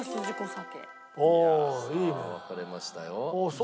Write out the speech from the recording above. さあ分かれましたよ。